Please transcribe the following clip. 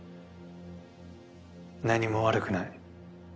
何も悪くない。